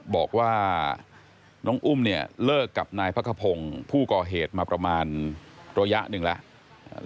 บอกว่าน้องอุ้มเนี่ยเลิกกับนายพระขพงศ์ผู้ก่อเหตุมาประมาณระยะหนึ่งแล้ว